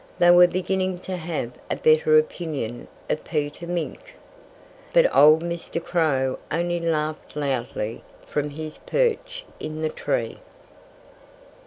They were beginning to have a better opinion of Peter Mink. But old Mr. Crow only laughed loudly from his perch in the tree.